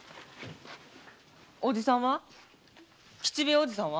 おじさんは？